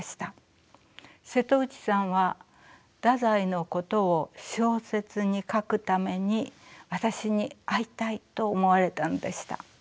瀬戸内さんは太宰のことを小説に書くために私に会いたいと思われたのでした。